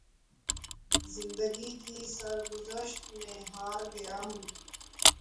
زندگی کی سرگزشت میں ہار گیا ہوں۔